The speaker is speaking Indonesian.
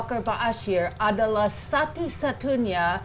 kenapa abu bakar pak asyir adalah satu satunya